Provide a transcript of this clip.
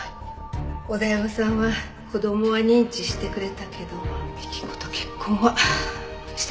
小田山さんは子供は認知してくれたけど幹子と結婚はしてくれなかった。